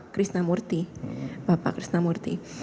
krisna murthy bapak krisna murthy